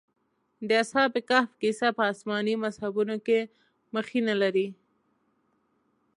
د اصحاب کهف کيسه په آسماني مذهبونو کې مخینه لري.